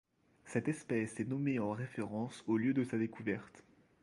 Cette espèce est nommée en référence au lieu de sa découverte.